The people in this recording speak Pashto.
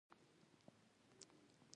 د لیدنې کتنې موقع مې ونه موندله.